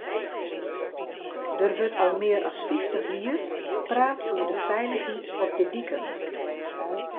Der wurdt al mear as fyftich jier praat oer de feilichheid op de diken.